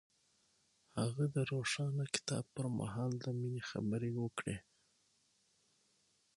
هغه د روښانه کتاب پر مهال د مینې خبرې وکړې.